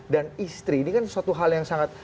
istri ini kan suatu hal yang sangat